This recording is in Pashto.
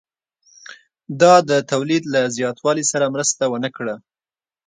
دا د تولید له زیاتوالي سره مرسته ونه کړه